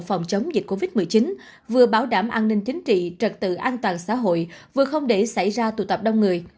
phòng chống dịch covid một mươi chín vừa bảo đảm an ninh chính trị trật tự an toàn xã hội vừa không để xảy ra tụ tập đông người